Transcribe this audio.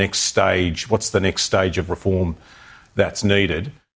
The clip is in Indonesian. apa yang perlu dilakukan untuk reformasi